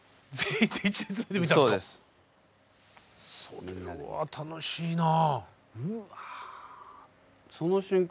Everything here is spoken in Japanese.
それは楽しいな。